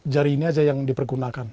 jari ini aja yang dipergunakan